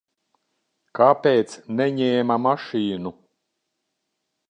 Kāpēc neņēma mašīnu?